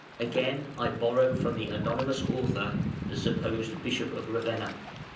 Again I borrow from the anonymous author, the supposed Bishop of Ravenna.